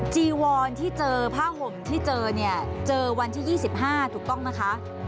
จีวอนที่เจอผ้าห่มที่เจอเนี่ยเจอวันที่๒๕ถูกต้องนะคะ